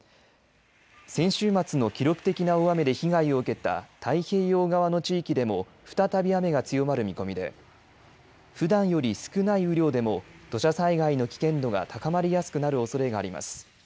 先週末の記録的な大雨で被害を受けた太平洋側の地域でも再び雨が強まる見込みでふだんより少ない雨量でも土砂災害の危険度が高まりやすくなるおそれがあります。